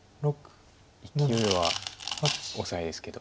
いきおいはオサエですけど。